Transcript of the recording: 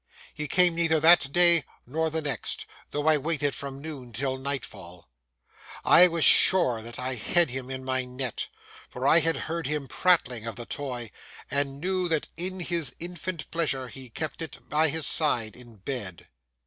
He came neither that day nor the next, though I waited from noon till nightfall. I was sure that I had him in my net, for I had heard him prattling of the toy, and knew that in his infant pleasure he kept it by his side in bed.